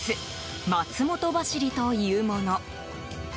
松本走りというもの。